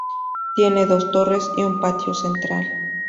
Tiene dos torres y un patio central.